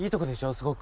すごく。